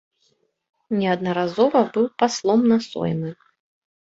Неаднаразова быў паслом на соймы.